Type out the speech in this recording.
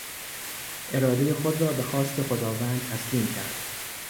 ارادهی خود را به خواست خداوند تسلیم کرد.